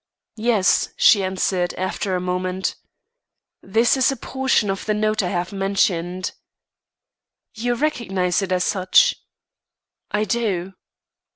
"Yes," she answered, after a moment. "This is a portion of the note I have mentioned." "You recognise it as such?" "I do."